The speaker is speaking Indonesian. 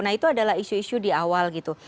nah itu adalah isu isu di awal gitu